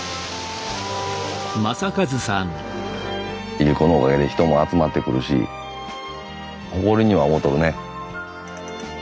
いりこのおかげで人も集まってくるし誇りには思とるね。